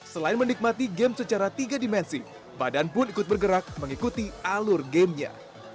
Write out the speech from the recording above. selain menikmati game secara tiga dimensi badan pun ikut bergerak mengikuti alur gamenya